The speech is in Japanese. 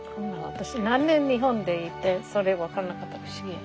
私何年日本でいてそれ分からんかったの不思議や。